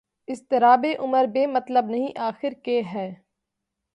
اضطرابِ عمر بے مطلب نہیں آخر کہ ہے